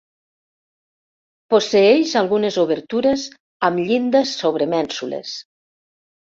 Posseeix algunes obertures amb llindes sobre mènsules.